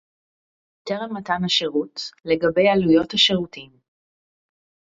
טרם מתן השירות, לגבי עלויות השירותים